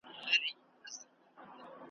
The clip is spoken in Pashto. سي ,